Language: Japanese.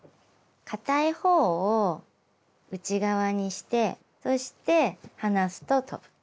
かたい方を内側にしてそして離すと飛ぶ。